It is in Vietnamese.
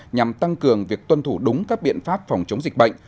nhằm tăng cường việc tuân thủ đúng các biện pháp phòng chống dịch bệnh